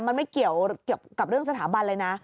มันไม่เกี่ยวกับเรื่องสถาบันเลยนะ